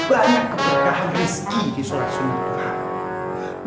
banyak keberkahan rezeki di sholat sunnah tuhan